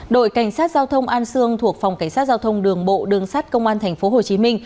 đội cảnh sát giao thông an sương thuộc phòng cảnh sát giao thông đường bộ đường sát công an tp hcm